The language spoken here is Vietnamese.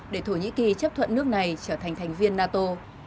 để thổ nhĩ kỳ chấp thuận nước này trở thành thành viên nato